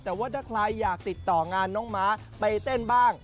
แต่ว่าถ้าใครอยากติดต่องานน้องม้าไปเต้นบ้าง